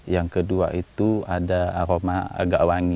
yang kedua itu ada aroma agak wangi